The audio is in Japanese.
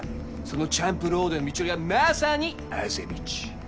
そのチャンプロードへの道のりはまさにあぜ道。